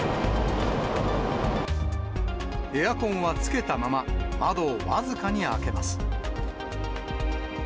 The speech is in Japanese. エアコンはつけたまま、窓を僅かに開けます。